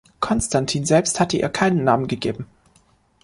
Konstantin selbst hatte ihr keinen Namen gegeben.